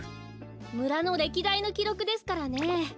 むらのれきだいのきろくですからね。